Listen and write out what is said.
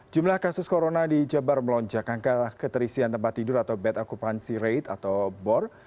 jumlah kasus corona di jabar melonjak angka keterisian tempat tidur atau bed occupancy rate atau bor